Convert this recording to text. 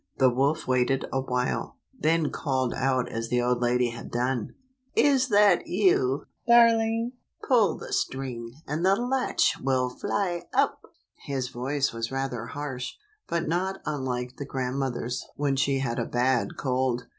The wolf waited awhile, then called out as the old lady had done: "Is that you, darling? Pull the string, and the latch will fly up." His voice was rather harsh, but not unlike the grandmother's when she had a bad cold.